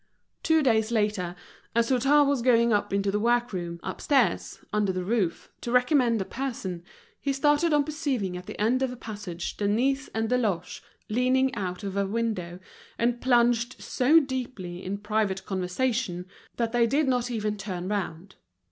Two days after, as Hutin was going up into the work room, upstairs, under the roof, to recommend a person, he started on perceiving at the end of a passage Denise and Deloche leaning out of a window, and plunged so deeply in private conversation that they did not even turn round.